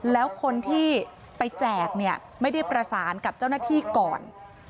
แล้วคนที่ไปแจกเนี่ยไม่ได้ประสานกับเจ้าหน้าที่ก่อน